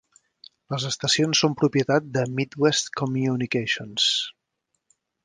Les estacions són propietat de Midwest Communications.